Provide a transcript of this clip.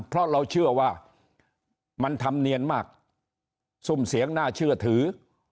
เพราะเราเชื่อว่ามันทำเนียนมากซุ่มเสียงน่าเชื่อถือ